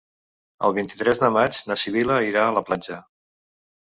El vint-i-tres de maig na Sibil·la irà a la platja.